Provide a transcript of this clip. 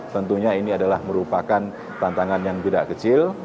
tentunya ini adalah merupakan tantangan yang tidak kecil